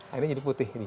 akhirnya jadi putih